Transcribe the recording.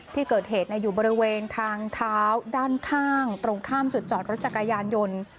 ที่เกิดเหตุอยู่บริเวณทางเท้าด้านข้างตรงข้ามจุดจอดรถจักรยานยนต์